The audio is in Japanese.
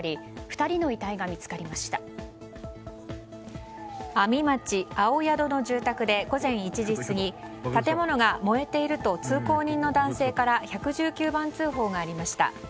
阿見町青宿の住宅で午前１時過ぎ建物が燃えていると通行人の男性から１１９番通報がありました。